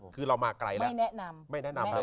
คือเรามาไกลแล้วไม่แนะนำ